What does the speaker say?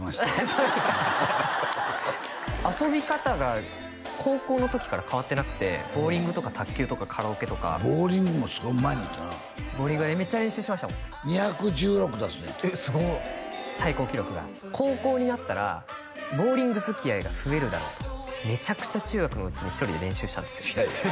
そうですか遊び方が高校の時から変わってなくてボウリングとか卓球とかカラオケとかボウリングもすごいうまいねんてなボウリングはめっちゃ練習しましたもん２１６出すねんてえっすごい最高記録が高校になったらボウリングづきあいが増えるだろうとめちゃくちゃ中学のうちに１人で練習したんですよ